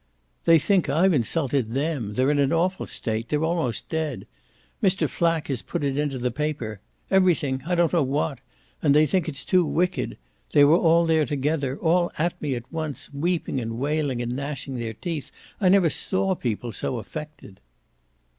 "They think I've insulted THEM they're in an awful state they're almost dead. Mr. Flack has put it into the paper everything, I don't know what and they think it's too wicked. They were all there together all at me at once, weeping and wailing and gnashing their teeth. I never saw people so affected."